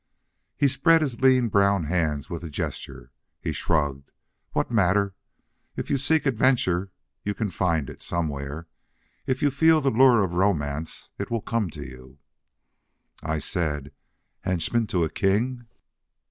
He spread his lean brown hands with a gesture. He shrugged. "What matter? If you seek adventure, you can find it somewhere. If you feel the lure of romance it will come to you." I said, "Henchman to a king?"